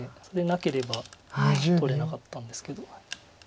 それなければ取れなかったんですけど。